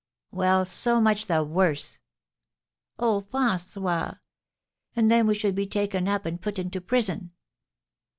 "Well, so much the worse!" "Oh, François! And then we should be taken up and put into prison."